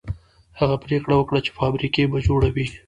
هغه پرېکړه وکړه چې فابريکې به جوړوي.